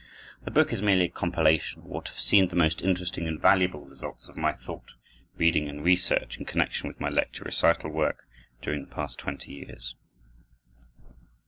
The book is merely a compilation of what have seemed the most interesting and valuable results of my thought, reading, and research in connection with my Lecture Recital work during the past twenty years.